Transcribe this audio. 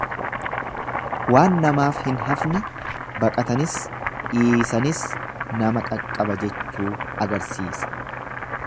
Waan namaaf hin hafne baqatanis, dhiisanis nama qaqqaba jechuu agarsiisa.